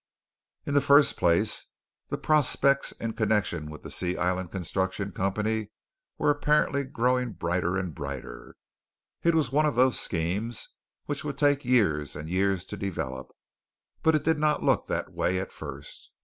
In the first place the prospects in connection with the Sea Island Construction Company were apparently growing brighter and brighter. It was one of those schemes which would take years and years to develop, but it did not look that way at first.